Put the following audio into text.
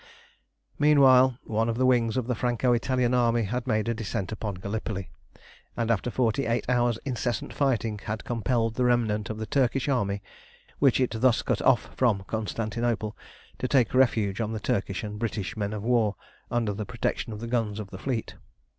Meanwhile one of the wings of the Franco Italian army had made a descent upon Gallipoli, and after forty eight hours' incessant fighting had compelled the remnant of the Turkish army, which it thus cut off from Constantinople, to take refuge on the Turkish and British men of war under the protection of the guns of the fleet.